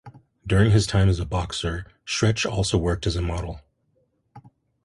During his time as a boxer, Stretch also worked as a model.